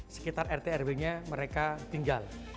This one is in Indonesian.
sekitar rt rw nya mereka tinggal